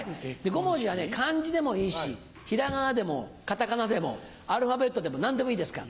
５文字は漢字でもいいし平仮名でも片仮名でもアルファベットでも何でもいいですから。